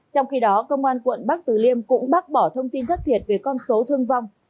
trong khi đó công an quận bắc từ liêm cũng bác bỏ thông tin thất thiệt về con số thương vong